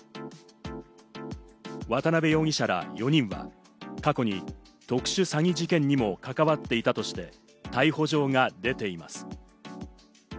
渡辺容疑者ら４人は過去に特殊詐欺事件にも関わっていたとして、逮捕状が出ています。